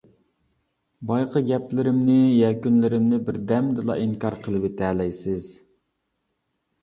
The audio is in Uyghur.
بايىقى گەپلىرىمنى، يەكۈنلىرىمنى بىردەمدىلا ئىنكار قىلىۋېتەلەيسىز.